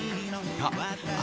あ